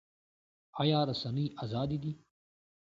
آیا رسنۍ ازادې دي؟